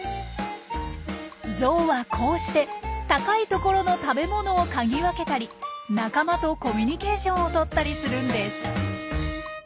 ゾウはこうして高い所の食べ物を嗅ぎ分けたり仲間とコミュニケーションをとったりするんです。